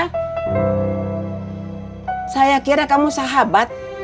meng ethic kira kamu sahabat